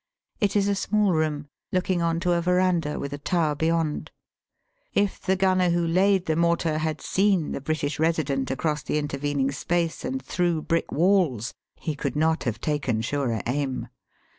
It is a small room, looking on to a verandah with a tower beyond. If the gunner who laid the mortar had seen the British Resident across the intervening space and through brick walls, he could not have taken surer aim.